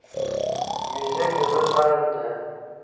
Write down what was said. موزیک د زړه تال ده.